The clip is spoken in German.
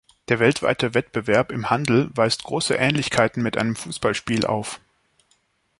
Der weltweite Wettbewerb im Handel weist große Ähnlichkeiten mit einem Fußballspiel auf.